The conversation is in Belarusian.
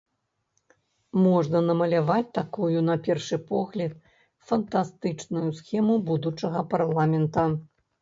Можна намаляваць такую, на першы погляд, фантастычную схему будучага парламента.